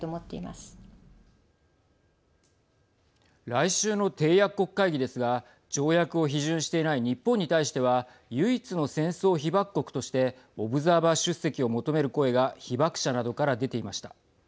来週の締約国会議ですが条約を批准していない日本に対しては唯一の戦争被爆国としてオブザーバー出席を求める声が被爆者などから出ていました。